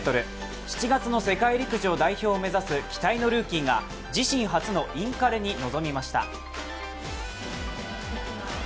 ７月の世界陸上代表を目指す期待のルーキーが自身初のインカレに臨みました。